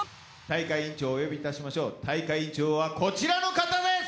大会委員長をお呼びいたしましょう大会委員長はこちらの方です！